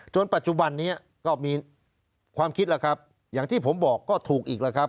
จนปัจจุบันนี้มีความคิดหว่างที่ผมบอกที่บอกนี้อย่างถูกครับ